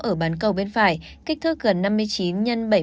ở bán cầu bên phải kích thước gần